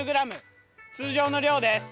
通常の量です。